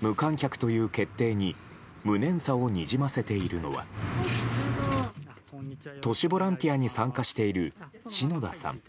無観客という決定に無念さをにじませているのは都市ボランティアに参加している篠田さん。